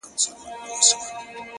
زما له زړه یې جوړه کړې خېلخانه ده-